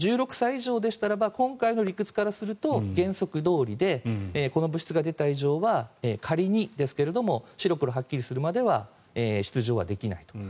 １６歳以上でしたら今回の理屈からすると原則どおりでこの物質が出た以上は仮にですけども白黒はっきりするまでは出場はできないと。